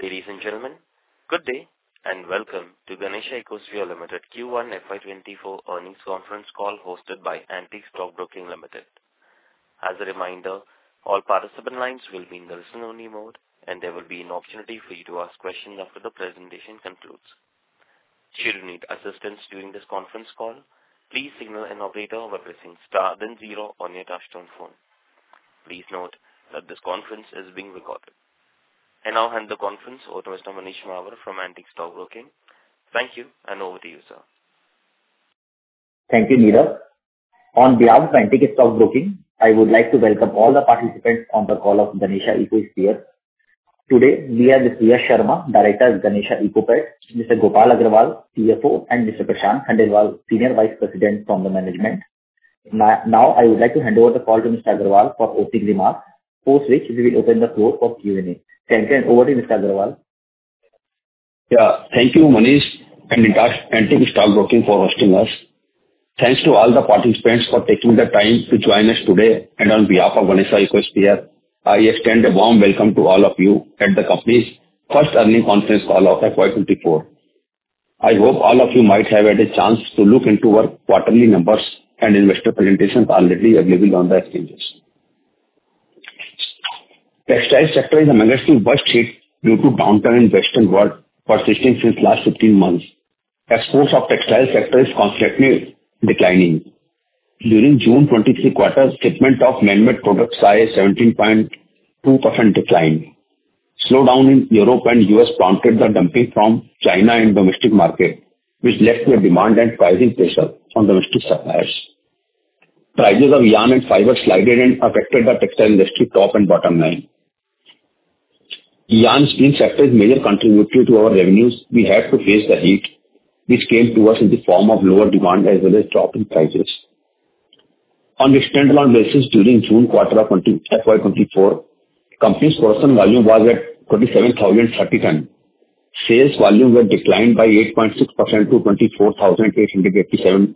Ladies and gentlemen, good day and welcome to Ganesha Ecosphere Limited Q1 FY24 earnings conference call hosted by Antique Stock Broking Limited. As a reminder, all participant lines will be in the listen-only mode and there will be an opportunity for you to ask questions after the presentation concludes. Should you need assistance during this conference call, please signal an operator by pressing star then zero on your touch-tone phone. Please note that this conference is being recorded. Now hand the conference over to Mr. Manish Mahawar from Antique Stock Broking. Thank you and over to you, sir. Thank you, Neeraj. On behalf of Antique Stock Broking, I would like to welcome all the participants on the call of Ganesha Ecosphere. Today we have Mr. Yash Sharma, Director of Ganesha Ecosphere, Mr. Gopal Agarwal, CFO, and Mr. Prashant Khandelwal, Senior Vice President from the management. Now I would like to hand over the call to Mr. Agarwal for opening remarks, post which we will open the floor for Q&A. Thank you and over to Mr. Agarwal. Yeah, thank you, Manish, and Antique Stock Broking for hosting us. Thanks to all the participants for taking the time to join us today and on behalf of Ganesha Ecosphere, I extend a warm welcome to all of you at the company's first earnings conference call of FY24. I hope all of you might have had a chance to look into our quarterly numbers and investor presentations already available on the exchanges. Textile sector is among the worst-hit due to downturn in the Western world persisting since last 15 months. Exports of the textile sector are constantly declining. During June 2023 quarter, shipment of man-made products saw a 17.2% decline. Slowdown in Europe and U.S. prompted the dumping from China and the domestic market, which left a demand and pricing pressure on domestic suppliers. Prices of yarn and fiber slid and affected the textile industry's top and bottom line. Yarn and steel sector are major contributors to our revenues. We had to face the heat, which came to us in the form of lower demand as well as dropping prices. On a standalone basis, during June quarter of FY24, company's production volume was at 27,030 tons. Sales volume declined by 8.6% to 24,887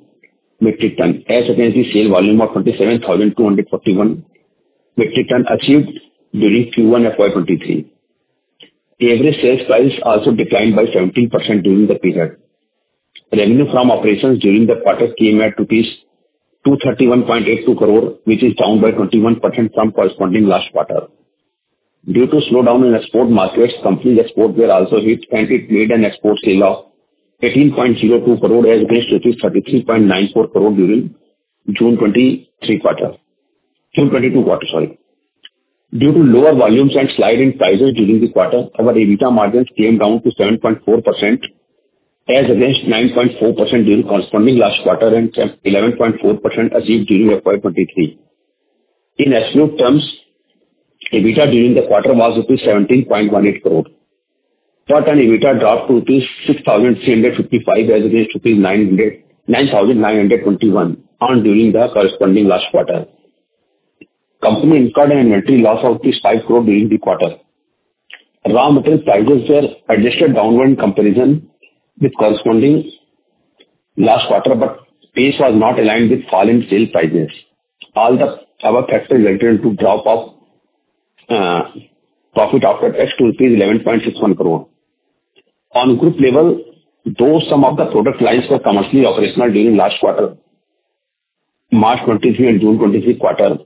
metric tons, as against the sales volume of 27,241 metric tons achieved during Q1 FY23. Average sales price also declined by 17% during the period. Revenue from operations during the quarter came at rupees 231.82 crore, which is down by 21% from corresponding last quarter. Due to slowdown in export markets, company's exports were also hit, and it made an export sale of 18.02 crore as against 33.94 crore during June 2022 quarter. Due to lower volumes and sliding prices during the quarter, our EBITDA margins came down to 7.4% as against 9.4% during corresponding last quarter and 11.4% achieved during FY 2023. In absolute terms, EBITDA during the quarter was rupees 17.18 crore. Per-ton EBITDA dropped to rupees 6,355 as against rupees 9,921 during the corresponding last quarter. Companies incurred an inventory loss of rupees 5 crore during the quarter. Raw materials prices were adjusted downward in comparison with corresponding last quarter, but pace was not aligned with falling sale prices. All the other factors led to a drop of profit after tax to rupees 11.61 crore. On group level, though some of the product lines were commercially operational during last quarter, March 2023 and June 2023 quarter,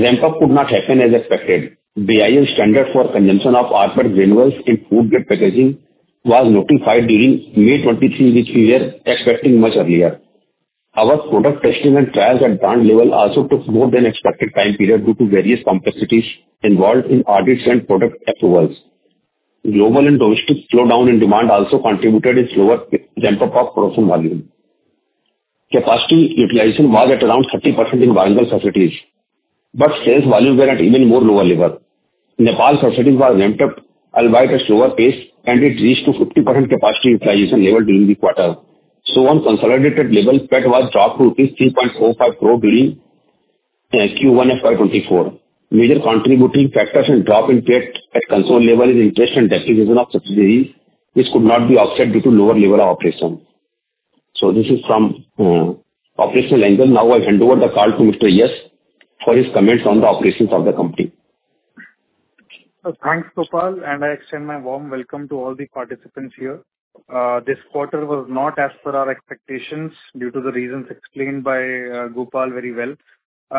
ramp-up could not happen as expected. BIS standard for consumption of rPATgranules in food grade packaging was notified during May 2023, which we were expecting much earlier. Our product testing and trials at brand level also took more than expected time period due to various complexities involved in audits and product approvals. Global and domestic slowdown in demand also contributed to a slower ramp-up of production volume. Capacity utilization was at around 30% in Warangal facilities, but sales volumes were at even more lower level. Nepal facilities were ramped up, albeit at a slower pace, and it reached 50% capacity utilization level during the quarter. So on consolidated level, PET was dropped to rupees 3.45 crore during Q1 FY2024. Major contributing factors in the drop in PET at consolidated level are interest and depreciation of subsidiaries, which could not be offset due to lower level of operation. So this is from operational angle. Now I hand over the call to Mr. Yash for his comments on the operations of the company. Thanks, Gopal, and I extend my warm welcome to all the participants here. This quarter was not as per our expectations due to the reasons explained by Gopal very well.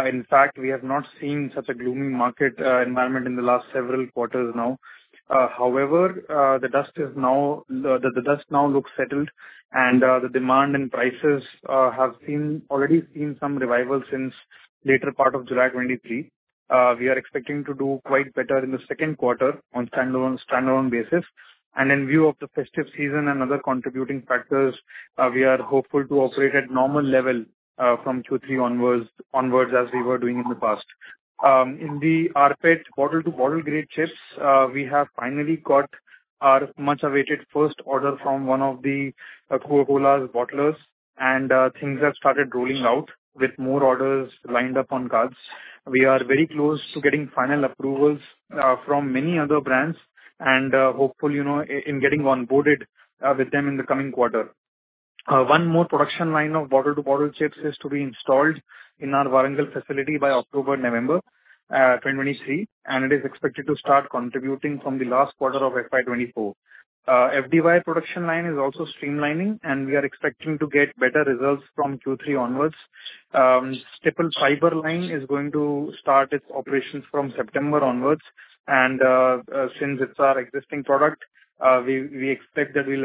In fact, we have not seen such a gloomy market environment in the last several quarters now. However, the dust now looks settled, and the demand and prices have already seen some revival since the later part of July 2023. We are expecting to do quite better in the second quarter on a standalone basis. And in view of the festive season and other contributing factors, we are hopeful to operate at a normal level from Q3 onwards as we were doing in the past. In the RPET bottle-to-bottle grade chips, we have finally got our much-awaited first order from one of the Coca-Cola's bottlers, and things have started rolling out with more orders lined up in the cards. We are very close to getting final approvals from many other brands and hopeful in getting onboarded with them in the coming quarter. One more production line of bottle-to-bottle chips is to be installed in our Bhiwadi facility by October, November 2023, and it is expected to start contributing from the last quarter of FY24. FDY production line is also streamlining, and we are expecting to get better results from Q3 onwards. The staple fiber line is going to start its operations from September onwards, and since it's our existing product, we expect that we'll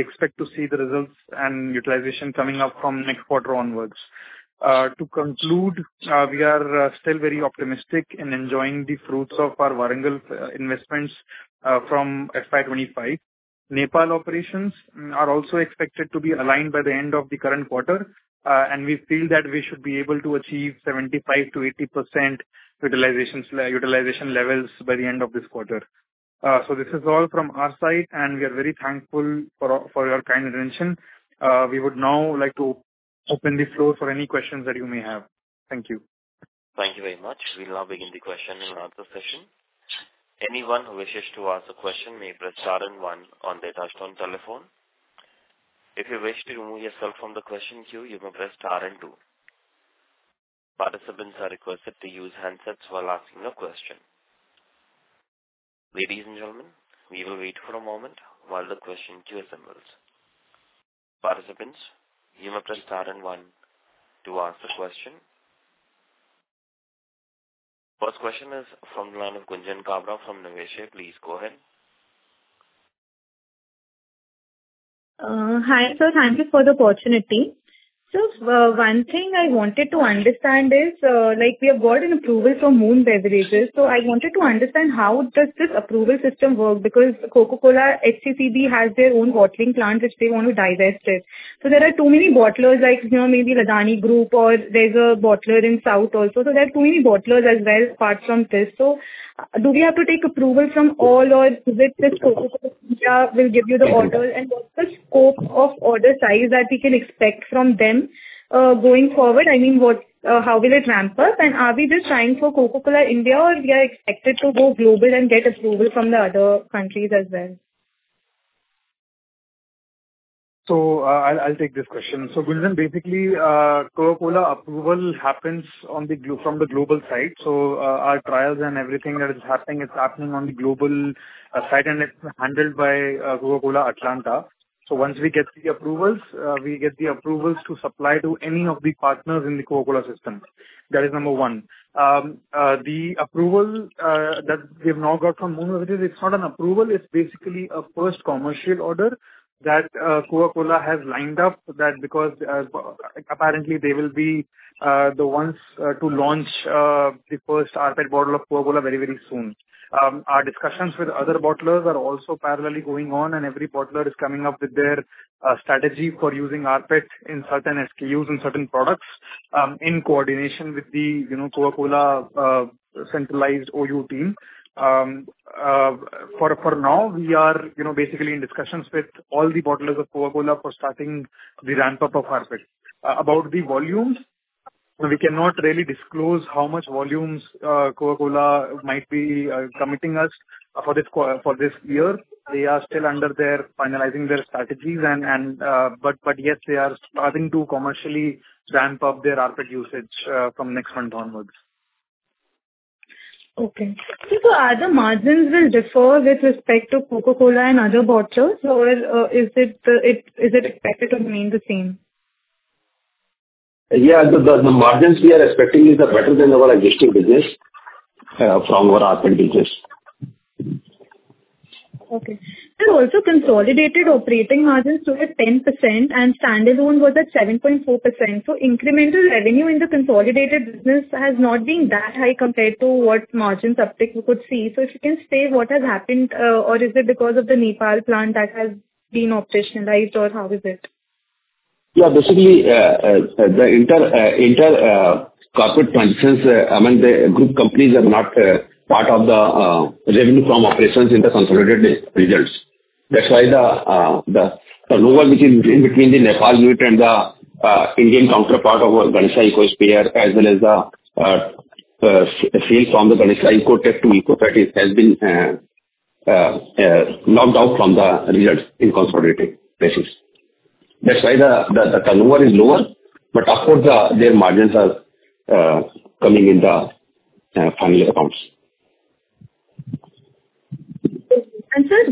expect to see the results and utilization coming up from next quarter onwards. To conclude, we are still very optimistic in enjoying the fruits of our Bhiwadi investments from FY25. Nepal operations are also expected to be aligned by the end of the current quarter, and we feel that we should be able to achieve 75%-80% utilization levels by the end of this quarter. So this is all from our side, and we are very thankful for your kind attention. We would now like to open the floor for any questions that you may have. Thank you. Thank you very much. We now begin the question and answer session. Anyone who wishes to ask a question may press star and one on their touch-tone telephone. If you wish to remove yourself from the question queue, you may press star and two. Participants are requested to use handsets while asking a question. Ladies and gentlemen, we will wait for a moment while the question queue assembles. Participants, you may press star and one to ask a question. First question is from the line of Gunjan Kabra from Niveshaay. Please go ahead. Hi. So thank you for the opportunity. So one thing I wanted to understand is we have got an approval for Moon Beverages, so I wanted to understand how does this approval system work because Coca-Cola HCCB has their own bottling plant, which they want to divest it. So there are too many bottlers, like maybe Ladhani Group, or there's a bottler in South also. So there are too many bottlers as well apart from this. So do we have to take approval from all, or is it just Coca-Cola India will give you the orders, and what's the scope of order size that we can expect from them going forward? I mean, how will it ramp up, and are we just trying for Coca-Cola India, or we are expected to go global and get approval from the other countries as well? I'll take this question. Gunjan, basically, Coca-Cola approval happens from the global side. Our trials and everything that is happening, it's happening on the global side, and it's handled by Coca-Cola Atlanta. Once we get the approvals, we get the approvals to supply to any of the partners in the Coca-Cola system. That is number one. The approval that we've now got from Moon Beverages, it's not an approval. It's basically a first commercial order that Coca-Cola has lined up because apparently, they will be the ones to launch the first RPET bottle of Coca-Cola very, very soon. Our discussions with other bottlers are also parallelly going on, and every bottler is coming up with their strategy for using RPET in certain SKUs and certain products in coordination with the Coca-Cola centralized OU team. For now, we are basically in discussions with all the bottlers of Coca-Cola for starting the ramp-up of RPET. About the volumes, we cannot really disclose how much volumes Coca-Cola might be committing us for this year. They are still finalizing their strategies, but yes, they are starting to commercially ramp up their RPET usage from next month onwards. Okay. So the margins will differ with respect to Coca-Cola and other bottlers, or is it expected to remain the same? Yeah, the margins we are expecting are better than our existing business from our RPET business. Okay. There are also consolidated operating margins to a 10%, and standalone was at 7.4%. So incremental revenue in the consolidated business has not been that high compared to what margins uptick we could see. So if you can say what has happened, or is it because of the Nepal plant that has been operationalized, or how is it? Yeah, basically, the inter-company transactions among the group companies are not part of the revenue from operations in the consolidated results. That's why the turnover between the Nepal unit and the Indian counterpart of our Ganesha Ecosphere, as well as the sales from the Ganesha Ecopet to Ecotech, has been knocked out from the results on a consolidated basis. That's why the turnover is lower, but of course, their margins are coming in the final accounts.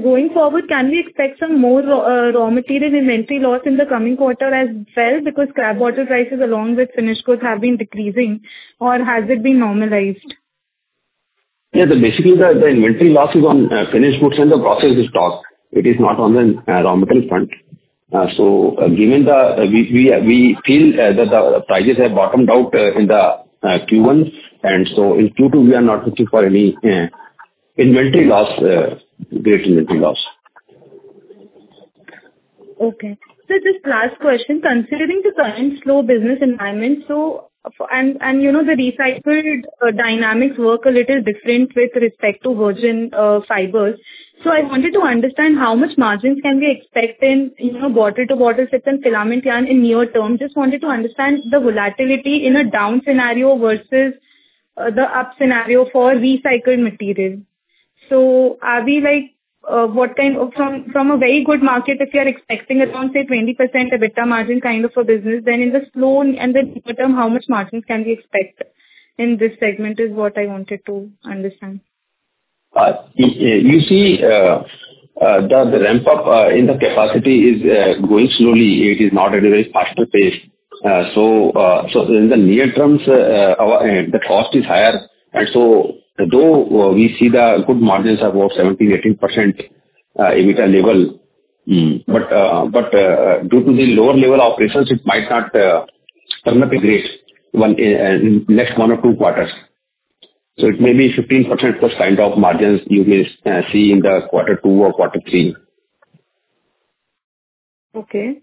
Going forward, can we expect some more raw material inventory loss in the coming quarter as well because scrap bottle prices along with finished goods have been decreasing, or has it been normalized? Yeah, basically, the inventory loss is on finished goods, and the process is stock. It is not on the raw material front. So given that we feel that the prices have bottomed out in the Q1, and so in Q2, we are not looking for any inventory loss, great inventory loss. Okay. So just last question, considering the current slow business environment, and the recycled dynamics work a little different with respect to virgin fibers, so I wanted to understand how much margins can we expect in bottle-to-bottle chips and filament yarn in near term. Just wanted to understand the volatility in a down scenario versus the up scenario for recycled material. So what kind of from a very good market, if you are expecting around, say, 20% EBITDA margin kind of a business, then in the slow and the near term, how much margins can we expect in this segment is what I wanted to understand. You see, the ramp-up in the capacity is going slowly. It is not at a very fast pace. So in the near terms, the cost is higher. And so though we see the good margins above 17-18% EBITDA level, but due to the lower level of operations, it might not turn up great in the next one or two quarters. So it may be 15% plus kind of margins you may see in the quarter two or quarter three. Okay.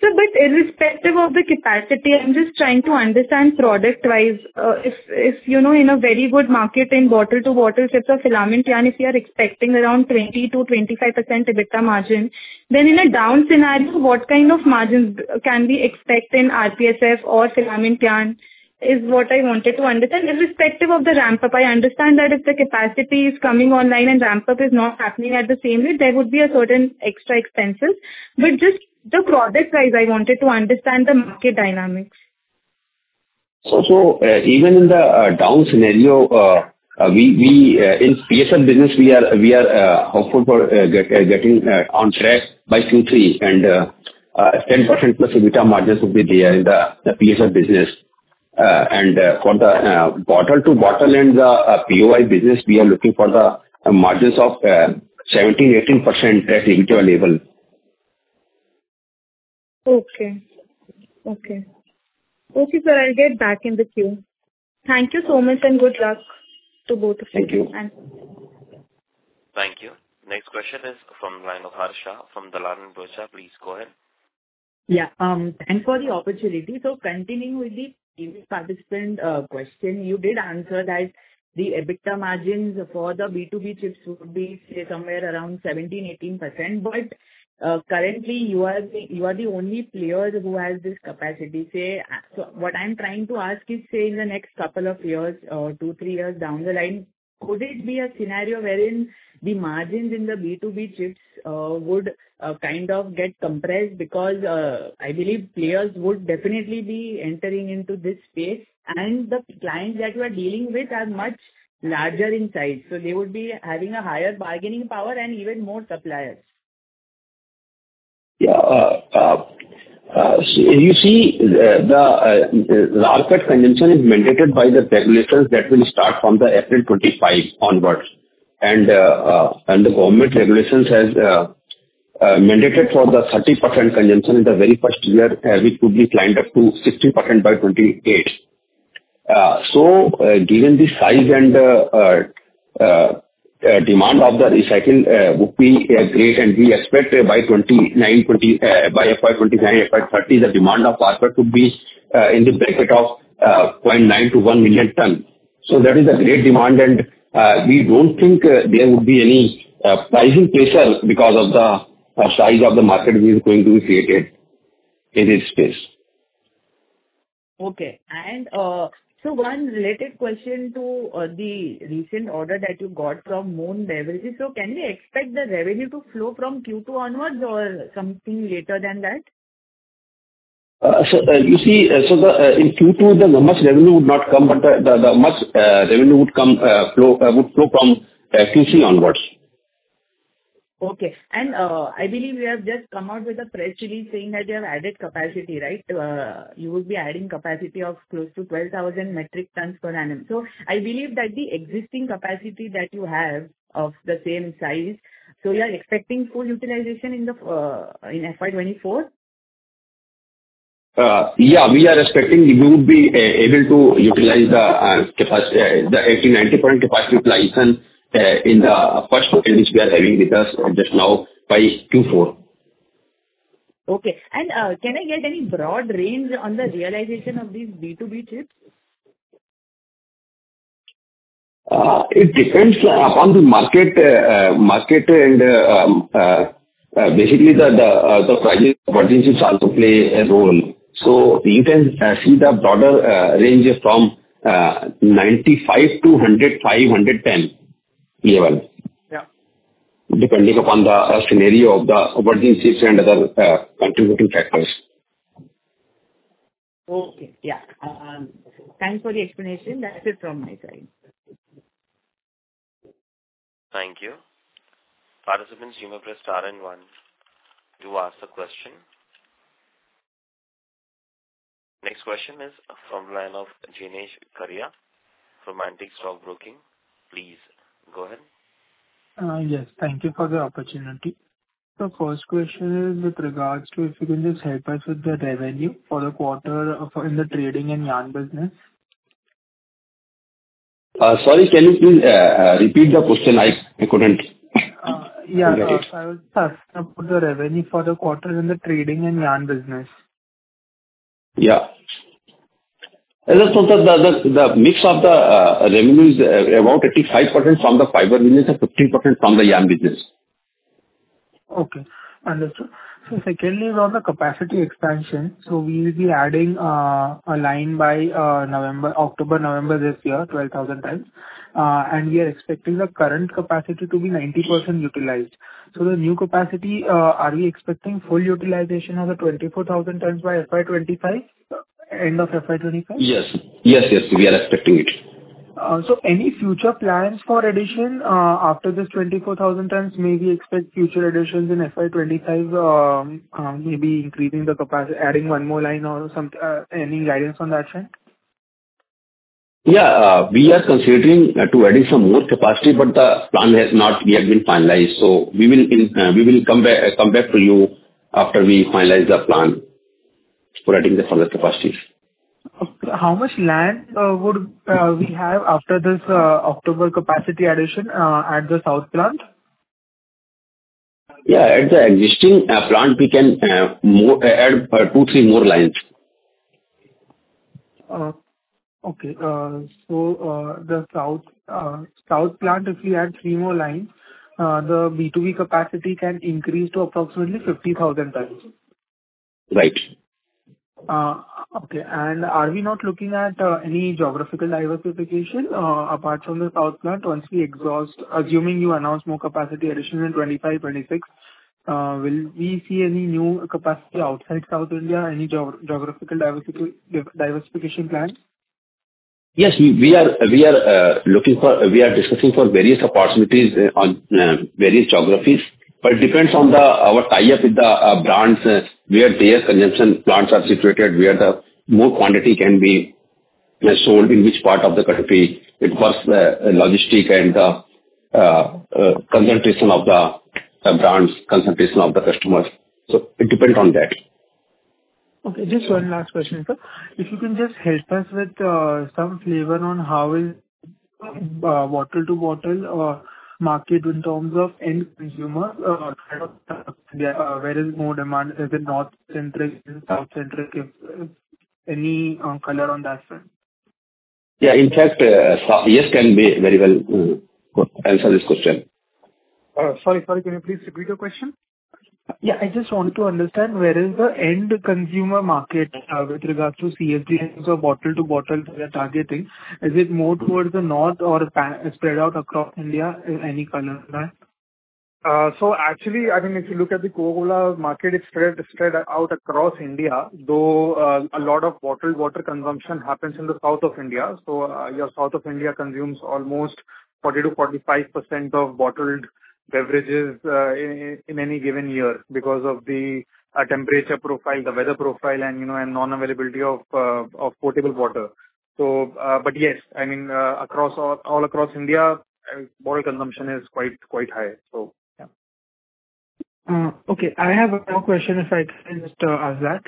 But irrespective of the capacity, I'm just trying to understand product-wise. If in a very good market in bottle-to-bottle chips or filament yarn, if you are expecting around 20%-25% EBITDA margin, then in a down scenario, what kind of margins can we expect in RPSF or filament yarn is what I wanted to understand. Irrespective of the ramp-up, I understand that if the capacity is coming online and ramp-up is not happening at the same rate, there would be a certain extra expenses. But just the product-wise, I wanted to understand the market dynamics. Even in the down scenario, in PSF business, we are hopeful for getting on track by Q3, and 10% plus EBITDA margins will be there in the PSF business. For the bottle-to-bottle and the POY business, we are looking for the margins of 17%-18% at EBITDA level. Okay. Okay. Okay, sir. I'll get back in the queue. Thank you so much, and good luck to both of you. Thank you. Thank you. Next question is from the line of Harsha from Dalal & Broacha. Please go ahead. Yeah. For the opportunity, so continuing with the previous participant question, you did answer that the EBITDA margins for the B2B chips would be, say, somewhere around 17%-18%. But currently, you are the only player who has this capacity. So what I'm trying to ask is, say, in the next couple of years, 2-3 years down the line, could it be a scenario wherein the margins in the B2B chips would kind of get compressed because I believe players would definitely be entering into this space, and the clients that you are dealing with are much larger in size? So they would be having a higher bargaining power and even more suppliers. Yeah. You see, the RPET consumption is mandated by the regulations that will start from April 25 onwards. The government regulations have mandated for the 30% consumption in the very first year, which could be climbed up to 60% by 2028. Given the size and demand of the recycling, it would be great, and we expect by FY29, FY30, the demand of RPET would be in the bracket of 0.9-1 million tons. That is a great demand, and we don't think there would be any pricing pressure because of the size of the market which is going to be created in this space. Okay. One related question to the recent order that you got from Moon Beverages, so can we expect the revenue to flow from Q2 onwards or something later than that? You see, in Q2, the much revenue would not come, but the much revenue would flow from Q3 onwards. Okay. And I believe we have just come out with a press release saying that you have added capacity, right? You will be adding capacity of close to 12,000 metric tons per annum. So I believe that the existing capacity that you have of the same size, so you are expecting full utilization in FY2024? Yeah, we are expecting we would be able to utilize the 80%-90% capacity placement in the first quarter which we are having with us just now by Q4. Okay. Can I get any broad range on the realization of these B2B chips? It depends upon the market, and basically, the prices of virgin chips also play a role. You can see the broader range from INR 95-100-110 level, depending upon the scenario of the virgin chips and other contributing factors. Okay. Yeah. Thanks for the explanation. That's it from my side. Thank you. Participants, you may press star and one to ask the question. Next question is from the line of Manish Mahawar from Antique Stock Broking. Please go ahead. Yes. Thank you for the opportunity. The first question is with regards to if you can just help us with the revenue for the quarter in the trading and yarn business. Sorry, can you please repeat the question? I couldn't get it. Yeah. I was asking about the revenue for the quarter in the trading and yarn business. Yeah. As I told you, the mix of the revenue is about 85% from the fiber business and 15% from the yarn business. Okay. Understood. So secondly, is on the capacity expansion. So we will be adding a line by October/November this year, 12,000 tons, and we are expecting the current capacity to be 90% utilized. So the new capacity, are we expecting full utilization of the 24,000 tons by end of FY 2025? Yes. Yes, yes. We are expecting it. So any future plans for addition after this 24,000 tons? May we expect future additions in FY25, maybe adding one more line or any guidance on that front? Yeah. We are considering adding some more capacity, but the plan has not yet been finalized. We will come back to you after we finalize the plan for adding the further capacities. Okay. How much land would we have after this October capacity addition at the south plant? Yeah. At the existing plant, we can add 2-3 more lines. Okay. So the south plant, if we add three more lines, the B2B capacity can increase to approximately 50,000 tons. Right. Okay. Are we not looking at any geographical diversification apart from the south plant once we exhaust assuming you announce more capacity addition in 2025, 2026? Will we see any new capacity outside South India, any geographical diversification plan? Yes. We are looking for, we are discussing various opportunities on various geographies, but it depends on our tie-up with the brands, where their consumption plants are situated, where the more quantity can be sold, in which part of the country it works, the logistics and the concentration of the brands, concentration of the customers. So it depends on that. Okay. Just one last question, sir. If you can just help us with some flavor on how is bottle-to-bottle market in terms of end consumer, where is more demand? Is it north-centric, south-centric, any color on that front? Yeah. In fact, yes, can very well answer this question. Sorry. Sorry. Can you please repeat your question? Yeah. I just wanted to understand where is the end consumer market with regards to CSDs or bottle-to-bottle that we are targeting? Is it more towards the north or spread out across India, any color on that? So actually, I mean, if you look at the Coca-Cola market, it's spread out across India, though a lot of bottled water consumption happens in the south of India. So your south of India consumes almost 40%-45% of bottled beverages in any given year because of the temperature profile, the weather profile, and non-availability of potable water. But yes, I mean, all across India, bottle consumption is quite high. So yeah. Okay. I have one more question if I can just ask that.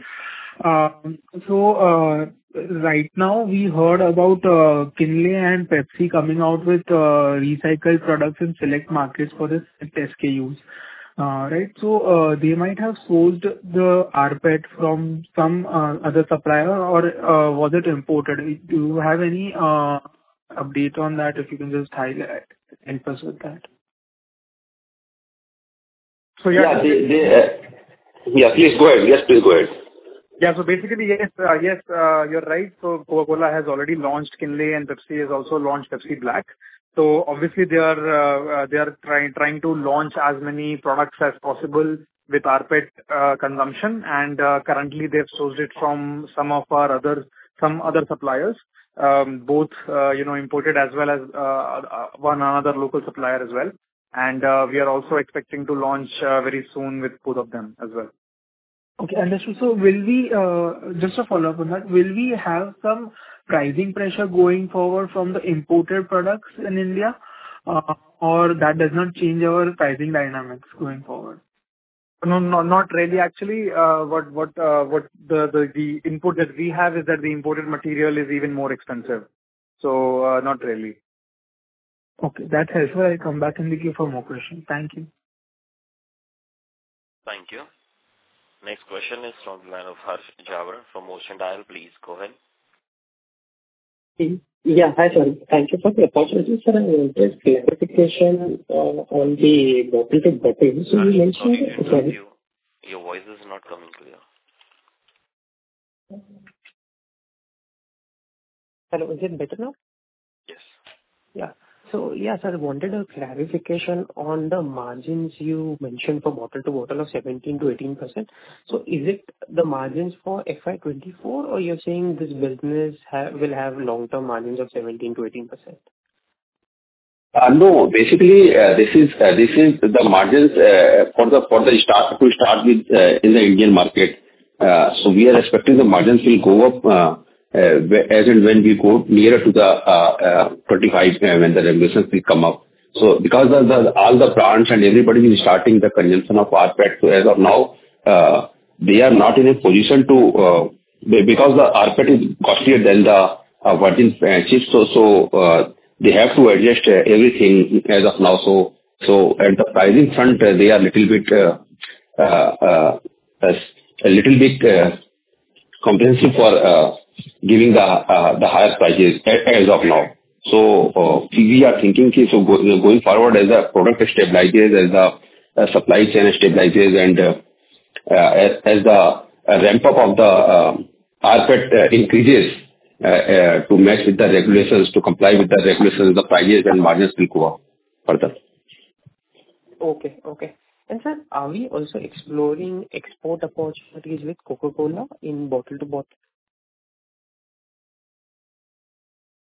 So right now, we heard about Kinley and Pepsi coming out with recycled products in select markets for the SKUs, right? So they might have sold the RPET from some other supplier, or was it imported? Do you have any update on that if you can just help us with that? So yeah. Yeah. Yeah. Please go ahead. Yes, please go ahead. Yeah. So basically, yes. Yes, you're right. So Coca-Cola has already launched Kinley, and Pepsi has also launched Pepsi Black. So obviously, they are trying to launch as many products as possible with RPET consumption. And currently, they've sold it from some of our other suppliers, both imported as well as one another local supplier as well. And we are also expecting to launch very soon with both of them as well. Okay. Understood. So just to follow up on that, will we have some pricing pressure going forward from the imported products in India, or that does not change our pricing dynamics going forward? No, not really. Actually, what the input that we have is that the imported material is even more expensive. So not really. Okay. That helps. Well, I'll come back in the queue for more questions. Thank you. Thank you. Next question is from the line Harsh Jhaveri from Ocean Dial. Please go ahead. Yeah. Hi, sir. Thank you for the opportunity, sir. I wanted clarification on the bottle-to-bottle. So you mentioned that. Sorry. Your voice is not coming clear. Hello. Is it better now? Yes. Yeah. So yeah, sir, I wanted a clarification on the margins you mentioned for bottle-to-bottle of 17%-18%. So is it the margins for FY2024, or you're saying this business will have long-term margins of 17%-18%? No. Basically, this is the margins for the start to start with in the Indian market. So we are expecting the margins will go up as and when we go nearer to 2025 when the regulations will come up. So because all the brands and everybody will be starting the consumption of RPET, so as of now, they are not in a position to because the RPET is costlier than the virgin chips, so they have to adjust everything as of now. So at the pricing front, they are a little bit cautious for giving the higher prices as of now. So we are thinking going forward as the product stabilizes, as the supply chain stabilizes, and as the ramp-up of the RPET increases to match with the regulations, to comply with the regulations, the prices and margins will go up further. Okay. Okay. Sir, are we also exploring export opportunities with Coca-Cola in bottle-to-bottle?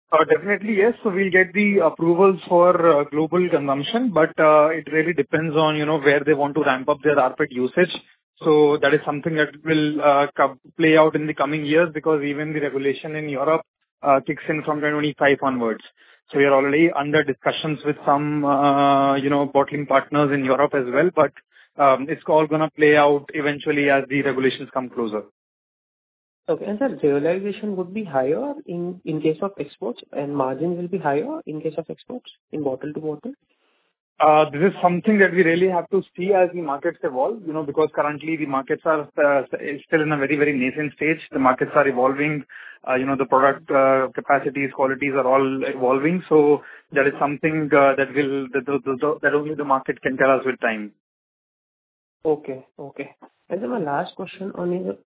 Definitely, yes. We'll get the approvals for global consumption, but it really depends on where they want to ramp up their RPET usage. That is something that will play out in the coming years because even the regulation in Europe kicks in from 2025 onwards. We are already under discussions with some bottling partners in Europe as well, but it's all going to play out eventually as the regulations come closer. Okay. Sir, realization would be higher in case of exports, and margins will be higher in case of exports in bottle-to-bottle? This is something that we really have to see as the markets evolve because currently, the markets are still in a very, very nascent stage. The markets are evolving. The product capacities, qualities, are all evolving. So that is something that only the market can tell us with time. Okay. Okay. And then my last question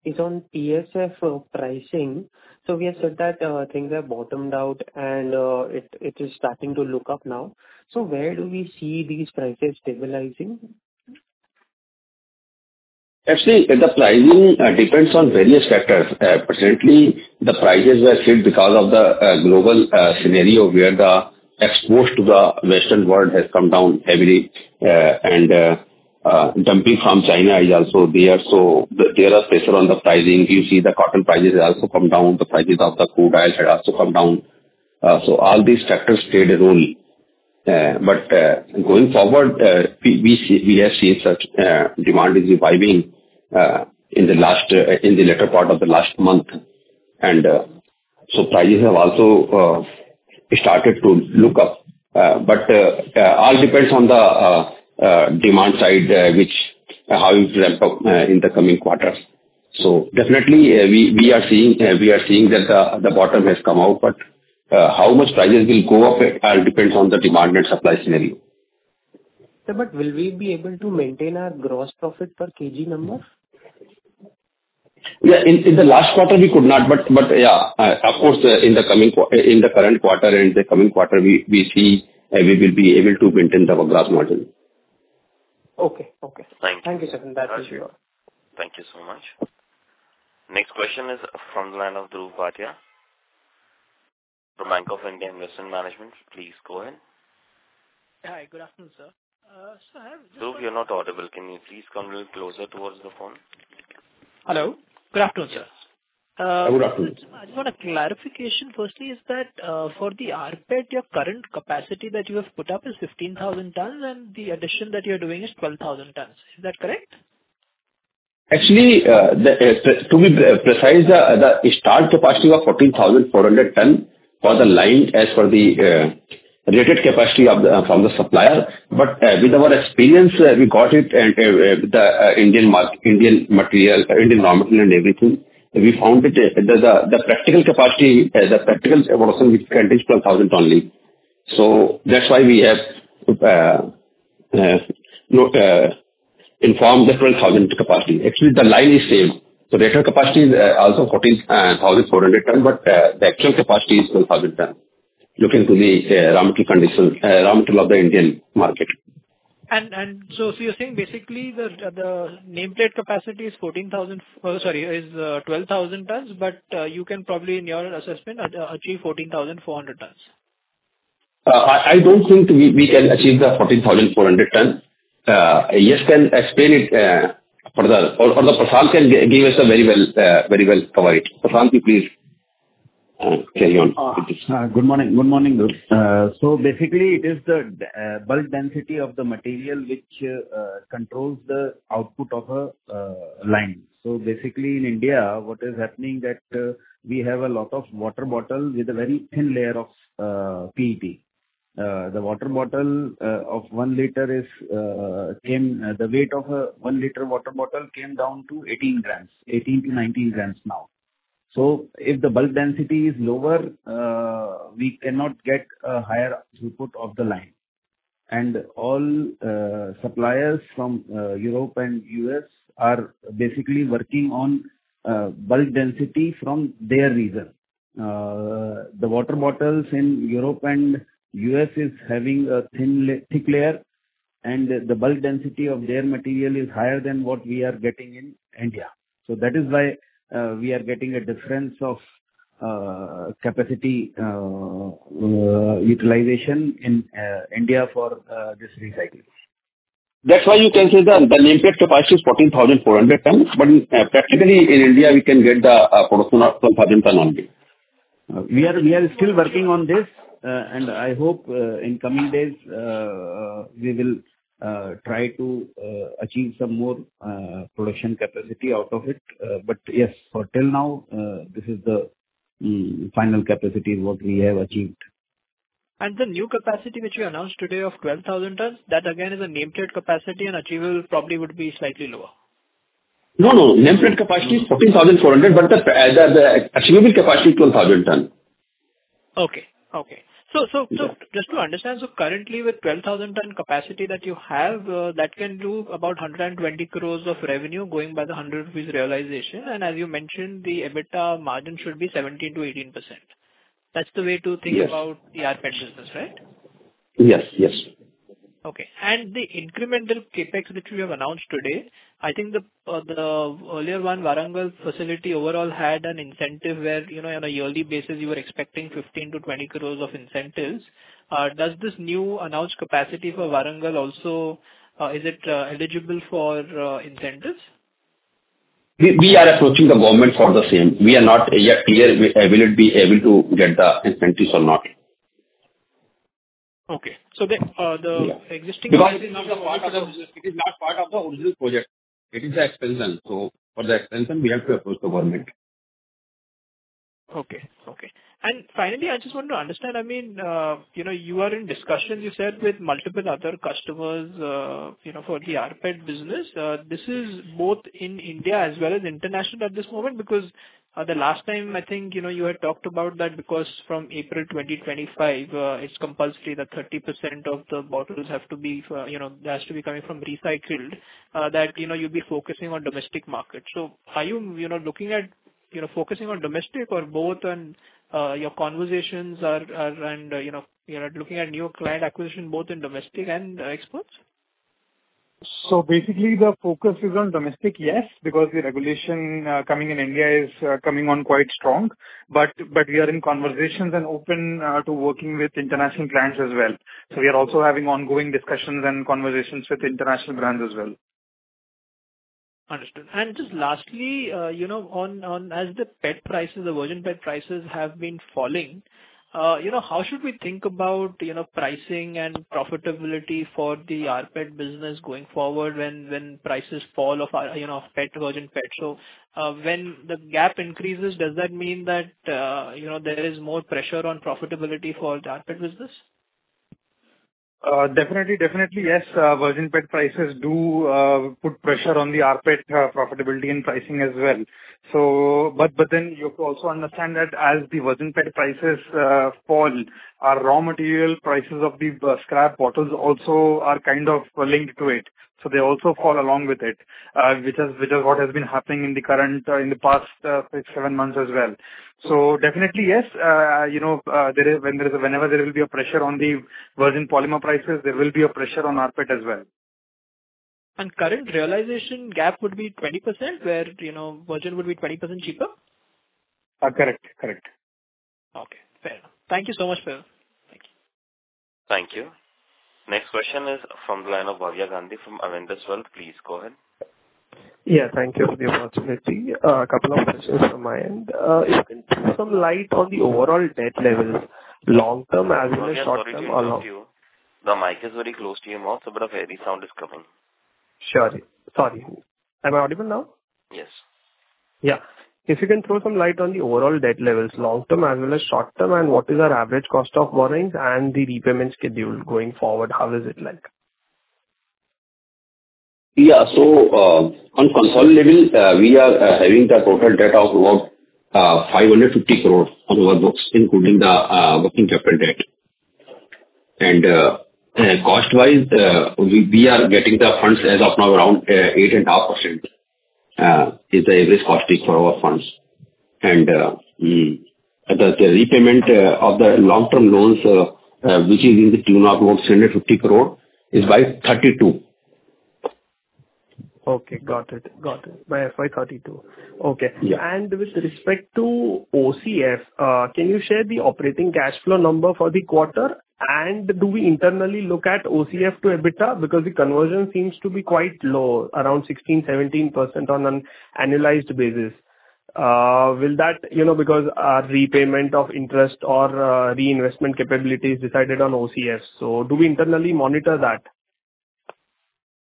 is on PSF pricing. So we have said that things are bottomed out, and it is starting to look up now. So where do we see these prices stabilizing? Actually, the pricing depends on various factors. Presently, the prices were hit because of the global scenario where the exports to the Western world have come down heavily, and dumping from China is also there. So there are pressure on the pricing. You see the cotton prices have also come down. The prices of the crude oil have also come down. So all these factors played a role. But going forward, we have seen such demand is reviving in the later part of the last month. And so prices have also started to look up. But all depends on the demand side, how it will ramp up in the coming quarter. So definitely, we are seeing that the bottom has come out. But how much prices will go up all depends on the demand and supply scenario. Sir, but will we be able to maintain our gross profit per kg number? Yeah. In the last quarter, we could not. But yeah, of course, in the current quarter and the coming quarter, we will be able to maintain the gross margin. Okay. Okay. Thank you. Thank you, sir. And that is yours. Thank you so much. Next question is from the line of Dhruv Bhatia from Bank of India Investment Management. Please go ahead. Hi. Good afternoon, sir. So I have just. Dhruv, you're not audible. Can you please come a little closer towards the phone? Hello. Good afternoon, sir. Good afternoon. I just want a clarification. Firstly, is that for the RPET, your current capacity that you have put up is 15,000 tons, and the addition that you're doing is 12,000 tons. Is that correct? Actually, to be precise, the start capacity was 14,400 tons for the line as for the rated capacity from the supplier. But with our experience, we got it with the Indian raw material and everything. We found that the practical capacity, the practical evolution, we can reach 12,000 only. So that's why we have informed the 12,000 capacity. Actually, the line is saved. The rated capacity is also 14,400 tons, but the actual capacity is 12,000 tons looking to the raw material condition, raw material of the Indian market. So you're saying basically the nameplate capacity is 14,000—sorry, is 12,000 tons, but you can probably in your assessment achieve 14,400 tons? I don't think we can achieve the 14,400 tons. Yes, can explain it further, or the Prashant can give us a very well coverage. Prashant, please carry on with this. Good morning. Good morning, Dhruv. So basically, it is the bulk density of the material which controls the output of a line. So basically, in India, what is happening is that we have a lot of water bottles with a very thin layer of PET. The weight of a 1-liter water bottle came down to 18 grams, 18-19 grams now. So if the bulk density is lower, we cannot get a higher throughput of the line. And all suppliers from Europe and the U.S. are basically working on bulk density from their region. The water bottles in Europe and the U.S. are having a thick layer, and the bulk density of their material is higher than what we are getting in India. So that is why we are getting a difference of capacity utilization in India for this recycling. That's why you can say that the nameplate capacity is 14,400 tons. But practically, in India, we can get the production of 12,000 tons only. We are still working on this, and I hope in coming days, we will try to achieve some more production capacity out of it. But yes, until now, this is the final capacity what we have achieved. The new capacity which you announced today of 12,000 tons, that again is a nameplate capacity, and achievable probably would be slightly lower? No, no. Nameplate capacity is 14,400, but the achievable capacity is 12,000 tons. Okay. Okay. So just to understand, so currently, with 12,000 ton capacity that you have, that can do about 120 crore of revenue going by the 100 rupees realization. And as you mentioned, the EBITDA margin should be 17%-18%. That's the way to think about the RPET business, right? Yes. Yes. Okay. The incremental CapEx which we have announced today, I think the earlier one, Warangal facility overall had an incentive where on a yearly basis, you were expecting 15 crore-20 crore of incentives. Does this new announced capacity for Warangal also is it eligible for incentives? We are approaching the government for the same. We are not yet clear will it be able to get the incentives or not. Okay. So the existing capacity is not part of the project. Because it is not part of the original project. It is the expansion. So for the expansion, we have to approach the government. Okay. Okay. And finally, I just want to understand. I mean, you are in discussions, you said, with multiple other customers for the RPET business. This is both in India as well as international at this moment because the last time, I think you had talked about that because from April 2025, it's compulsory that 30% of the bottles have to be that has to be coming from recycled, that you'll be focusing on domestic markets. So are you looking at focusing on domestic or both, and your conversations are and you're looking at new client acquisition both in domestic and exports? So basically, the focus is on domestic, yes, because the regulation coming in India is coming on quite strong. But we are in conversations and open to working with international clients as well. So we are also having ongoing discussions and conversations with international brands as well. Understood. And just lastly, as the virgin PET prices have been falling, how should we think about pricing and profitability for the RPET business going forward when prices fall of virgin PET? So when the gap increases, does that mean that there is more pressure on profitability for the RPET business? Definitely. Definitely, yes. Virgin PET prices do put pressure on the RPET profitability and pricing as well. But then you have to also understand that as the virgin PET prices fall, our raw material prices of the scrap bottles also are kind of linked to it. So they also fall along with it, which is what has been happening in the past six, seven months as well. So definitely, yes. Whenever there will be a pressure on the virgin polymer prices, there will be a pressure on RPET as well. Current realization gap would be 20% where virgin would be 20% cheaper? Correct. Correct. Okay. Fair enough. Thank you so much, sir. Thank you. Thank you. Next question is from the line of Bhavya Gandhi from Avendus Wealth. Please go ahead. Yeah. Thank you for the opportunity. A couple of questions from my end. If you can throw some light on the overall debt levels long-term as well as short-term along. Sorry. I'm sorry to interrupt you. The mic is very close to your mouth, so a bit of eerie sound is coming. Sorry. Sorry. Am I audible now? Yes. Yeah. If you can throw some light on the overall debt levels long-term as well as short-term, and what is our average cost of borrowings and the repayment schedule going forward? How is it like? Yeah. On consolidated level, we are having the total debt of about 550 crore on our books, including the working capital debt. Cost-wise, we are getting the funds as of now around 8.5% is the average cost for our funds. The repayment of the long-term loans, which is in the tune of about 350 crore, is by 2032. Okay. Got it. Got it. By 32. Okay. And with respect to OCF, can you share the operating cash flow number for the quarter? And do we internally look at OCF to EBITDA because the conversion seems to be quite low, around 16%-17% on an annualized basis? Will that because our repayment of interest or reinvestment capability is decided on OCF? So do we internally monitor that?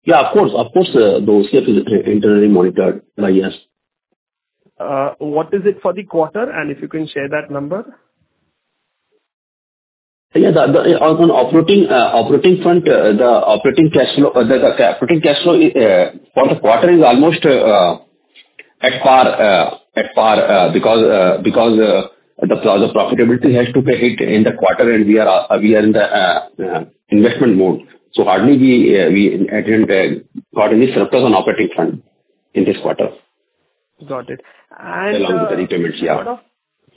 Yeah. Of course. Of course, the OCF is internally monitored by us. What is it for the quarter? And if you can share that number. Yeah. On operating front, the operating cash flow for the quarter is almost at par because the profitability has to get hit in the quarter, and we are in the investment mode. So hardly we got any surplus on operating fund in this quarter. Got it. Along with the repayments, yeah.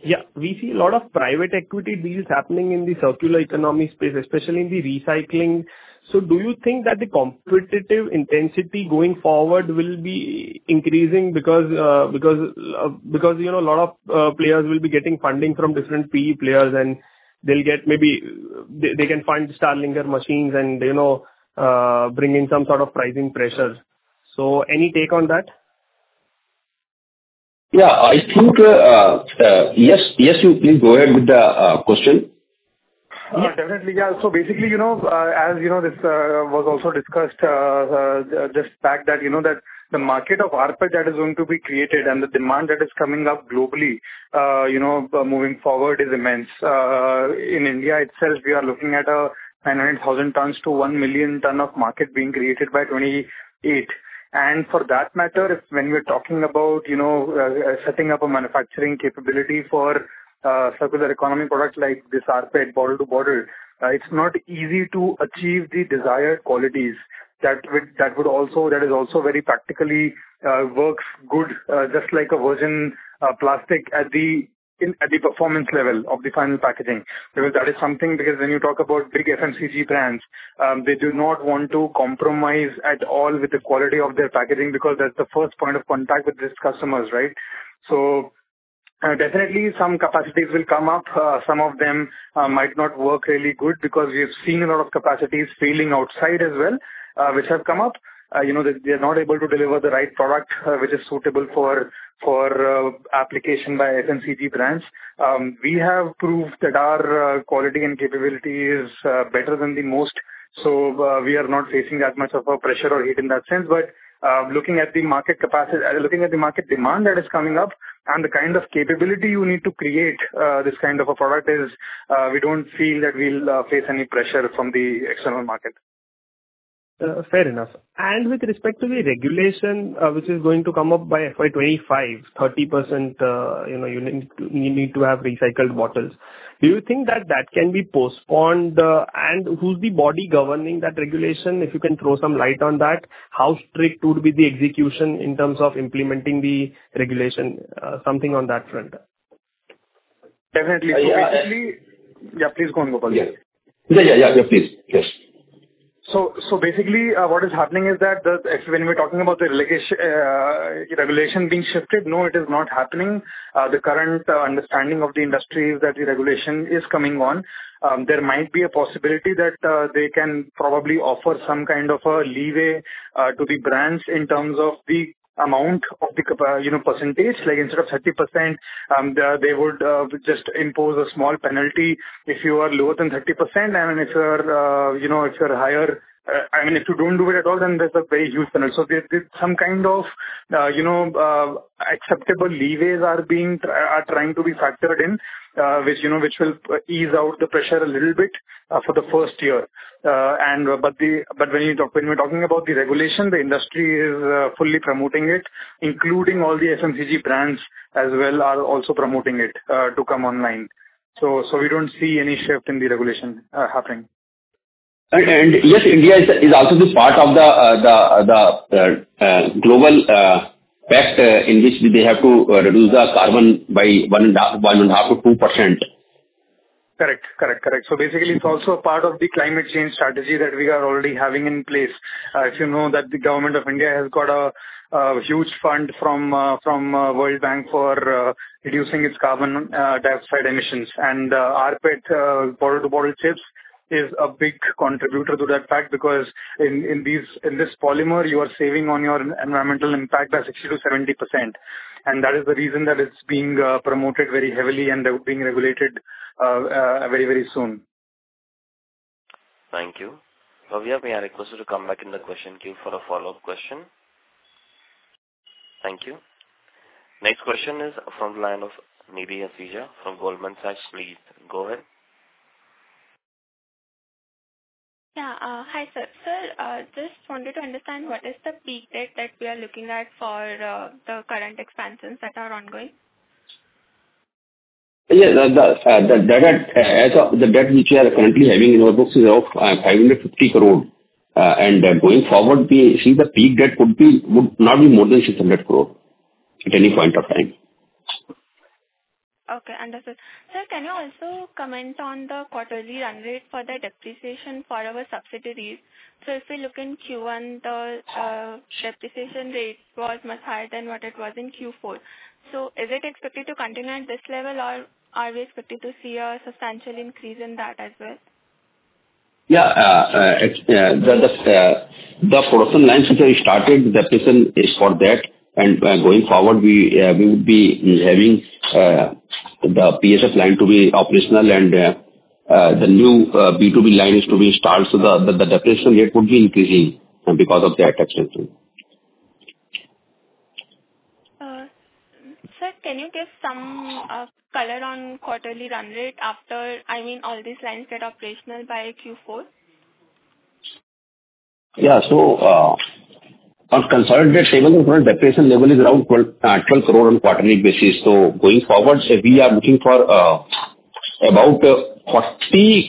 Yeah. We see a lot of private equity deals happening in the circular economy space, especially in the recycling. So do you think that the competitive intensity going forward will be increasing because a lot of players will be getting funding from different PE players, and they'll get maybe they can find Starlinger machines and bring in some sort of pricing pressure? So any take on that? Yeah. I think yes. Yes, you. Please go ahead with the question. Yeah. Definitely. Yeah. So basically, as this was also discussed just back, that the market of RPET that is going to be created and the demand that is coming up globally moving forward is immense. In India itself, we are looking at a 900,000 tons-1,000,000 tons of market being created by 2028. And for that matter, when we're talking about setting up a manufacturing capability for circular economy products like this RPET, bottle to bottle, it's not easy to achieve the desired qualities that is also very practically works good just like a virgin plastic at the performance level of the final packaging. Because when you talk about big FMCG brands, they do not want to compromise at all with the quality of their packaging because that's the first point of contact with these customers, right? So definitely, some capacities will come up. Some of them might not work really good because we have seen a lot of capacities failing outside as well, which have come up. They're not able to deliver the right product which is suitable for application by FMCG brands. We have proved that our quality and capability is better than the most. So we are not facing that much of a pressure or hit in that sense. But looking at the market capacity, looking at the market demand that is coming up and the kind of capability you need to create this kind of a product, we don't feel that we'll face any pressure from the external market. Fair enough. With respect to the regulation which is going to come up by FY25, 30% you need to have recycled bottles, do you think that that can be postponed? Who's the body governing that regulation? If you can throw some light on that, how strict would be the execution in terms of implementing the regulation, something on that front? Definitely. So basically. Yeah. Yeah. Yeah. Yeah. Please go on, Gopal. Yeah. Yeah. Yeah. Yeah. Please. Yes. So basically, what is happening is that when we're talking about the regulation being shifted, no, it is not happening. The current understanding of the industry is that the regulation is coming on. There might be a possibility that they can probably offer some kind of a leeway to the brands in terms of the amount of the percentage. Instead of 30%, they would just impose a small penalty if you are lower than 30%. And if you are if you're higher I mean, if you don't do it at all, then there's a very huge penalty. So some kind of acceptable leeways are trying to be factored in, which will ease out the pressure a little bit for the first year. But when we're talking about the regulation, the industry is fully promoting it, including all the FMCG brands as well are also promoting it to come online. We don't see any shift in the regulation happening. Yes, India is also part of the global pact in which they have to reduce the carbon by 1.5%-2%. Correct. Correct. Correct. So basically, it's also part of the climate change strategy that we are already having in place. You know that the Government of India has got a huge fund from World Bank for reducing its carbon dioxide emissions. And RPET, bottle to bottle chips, is a big contributor to that fact because in this polymer, you are saving on your environmental impact by 60%-70%. And that is the reason that it's being promoted very heavily and being regulated very, very soon. Thank you. Bhavya, we are requested to come back in the question queue for a follow-up question. Thank you. Next question is from the line of Nikhil Asija from Goldman Sachs. Please go ahead. Yeah. Hi, sir. Sir, just wanted to understand what is the peak debt that we are looking at for the current expansions that are ongoing? Yeah. The debt which we are currently having in our books is about 550 crore. And going forward, we see the peak debt would not be more than 600 crore at any point of time. Okay. Understood. Sir, can you also comment on the quarterly run rate for the depreciation for our subsidiaries? So if we look in Q1, the depreciation rate was much higher than what it was in Q4. So is it expected to continue at this level, or are we expected to see a substantial increase in that as well? Yeah. The production lines which are started, the depreciation is for that. Going forward, we would be having the PSF line to be operational, and the new B2B line is to be started. The depreciation rate would be increasing because of that extension. Sir, can you give some color on quarterly run rate after, I mean, all these lines get operational by Q4? Yeah. On consolidated table, the current depreciation level is around 12 crore on quarterly basis. Going forward, we are looking for about 35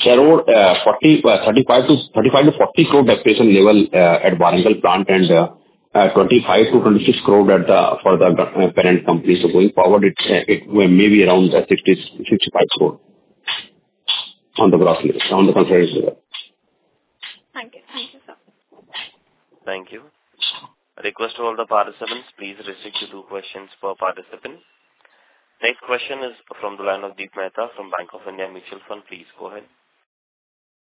crore-40 crore depreciation level at Warangal plant and 25 crore-26 crore for the parent company. Going forward, it may be around 65 crore on the gross level, on the consolidated level. Thank you. Thank you, sir. Thank you. Request to all the participants, please restrict to two questions per participant. Next question is from the line of Deep Mehta from Bank of India Mutual Fund. Please go ahead.